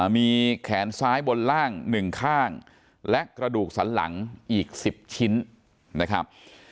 มีแขนซ้ายบนล่าง๑ข้างและกระดูกสันหลังอีก๑๐ชิ้นนะครับ